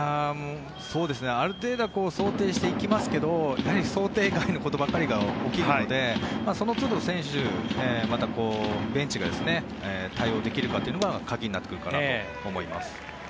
ある程度は想定して行きますけど想定外のことばかりが起きるのでそのつど、選手またベンチが対応できるかというのが鍵になってくるかなと思います。